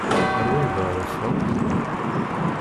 Ar wanda ara ffɣent?